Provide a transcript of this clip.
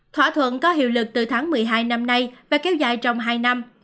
thỏa thuận có hiệu lực từ tháng một mươi hai năm nay và kéo dài trong hai năm